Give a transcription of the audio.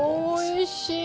おいしい！